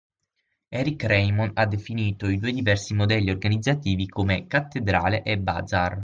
Eric Raymond ha definito i due diversi modelli organizzativi come "cattedrale" e "bazar".